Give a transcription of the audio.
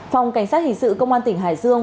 phòng cảnh sát hình sự công an tỉnh hải dương